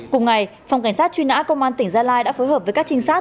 cùng ngày phòng cảnh sát truy nã công an tỉnh gia lai đã phối hợp với các trinh sát